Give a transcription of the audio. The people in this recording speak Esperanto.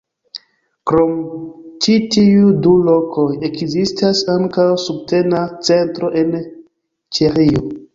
Krom ĉi tiuj du lokoj, ekzistas ankaŭ subtena centro en Ĉeĥio.